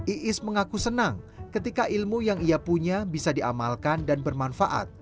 iis mengaku senang ketika ilmu yang ia punya bisa diamalkan dan bermanfaat